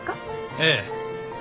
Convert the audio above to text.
ええ。